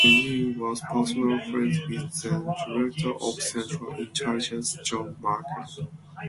Geneen was personal friends with then Director of Central Intelligence, John McCone.